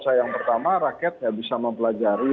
saya yang pertama rakyat ya bisa mempelajari